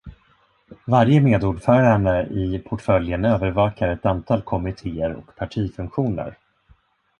Varje medordförande i portföljen övervakar ett antal kommittéer och partifunktioner.